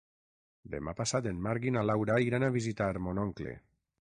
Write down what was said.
Demà passat en Marc i na Laura iran a visitar mon oncle.